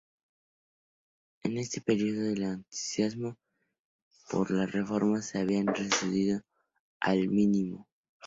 En este periodo el entusiasmo por las reformas se había reducido al mínimo.